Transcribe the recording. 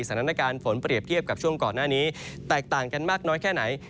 สถานการณ์ฝนเปรียบเทียบกับช่วงก่อนหน้านี้แตกต่างกันมากน้อยแค่ไหน